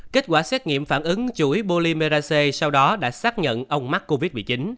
kết quả xét nghiệm phản ứng chuỗi bolimerac sau đó đã xác nhận ông mắc covid một mươi chín